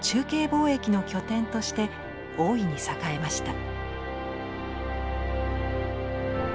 貿易の拠点として大いに栄えました。